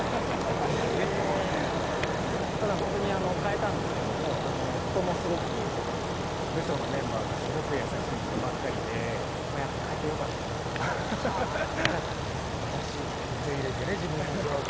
えぇただほんとに変えたんですけどもそこもすごく部署のメンバーがすごく優しい人ばっかりで変えてよかったなとはハハハハッすばらしい受け入れてね自分の状況